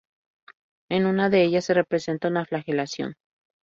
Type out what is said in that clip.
En una de ellas se representa una flagelación.